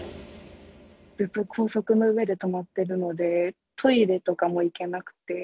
ずっと高速の上で止まってるので、トイレとかも行けなくて。